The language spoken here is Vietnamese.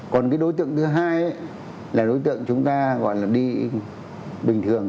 còn cái đối tượng thứ hai là đối tượng chúng ta gọi là đi bình thường